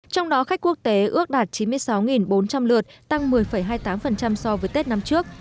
trong đó khách quốc tế ước đạt chín mươi sáu bốn trăm linh lượt tăng một mươi hai mươi tám so với tết năm trước